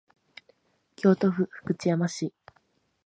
京都府福知山市